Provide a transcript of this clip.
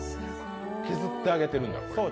削ってあげているんだ。